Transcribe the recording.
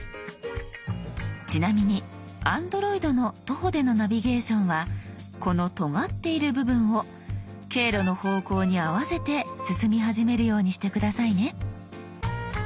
ちなみにＡｎｄｒｏｉｄの徒歩でのナビゲーションはこのとがっている部分を経路の方向に合わせて進み始めるようにして下さいね。